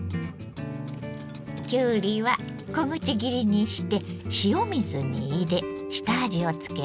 きゅうりは小口切りにして塩水に入れ下味をつけます。